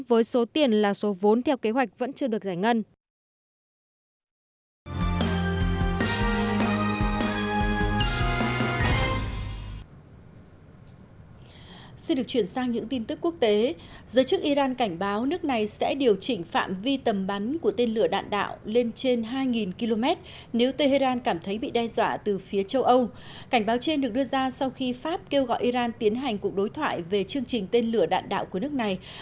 với số tiền là số vốn theo kế hoạch vẫn chưa được giải ngân